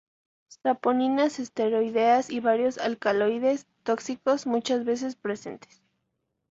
Saponinas esteroideas y varios alcaloides tóxicos muchas veces presentes.